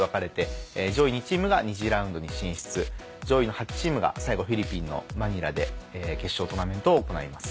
４チームずつ分かれて最後フィリピンのマニラで決勝トーナメントを行います